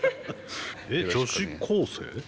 えっ女子高生？